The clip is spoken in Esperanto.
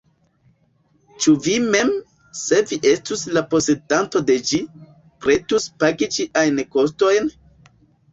Ĉu vi mem, se vi estus la posedanto de ĝi, pretus pagi ĝiajn kostojn?